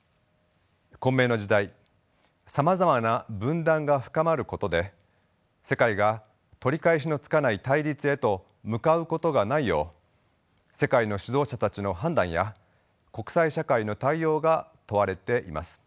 混迷の時代さまざまな分断が深まることで世界が取り返しのつかない対立へと向かうことがないよう世界の指導者たちの判断や国際社会の対応が問われています。